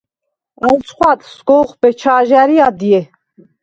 ალ ცხვადს სგო̄ხვბე ჩა̄ჟა̈რ ი ადჲე.